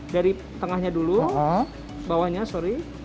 dari tengahnya dulu bawahnya sorry